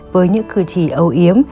với những cười chỉ âu yếm